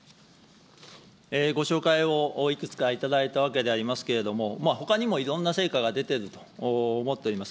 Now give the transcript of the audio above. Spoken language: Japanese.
ご紹介をいくつか頂いたわけでありますけれども、ほかにもいろんな成果が出ていると思っております。